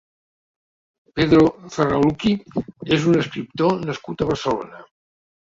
Pedro Zarraluki és un escriptor nascut a Barcelona.